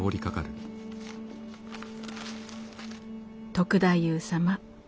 「篤太夫様。